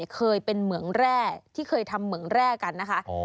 เคยเป็นเหมืองแร่ที่เคยทำเหมืองแร่กันนะคะ